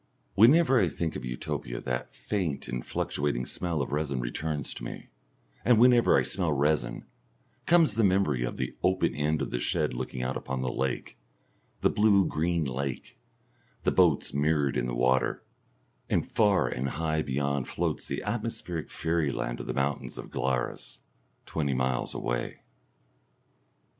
(Whenever I think of Utopia that faint and fluctuating smell of resin returns to me, and whenever I smell resin, comes the memory of the open end of the shed looking out upon the lake, the blue green lake, the boats mirrored in the water, and far and high beyond floats the atmospheric fairyland of the mountains of Glarus, twenty miles away.)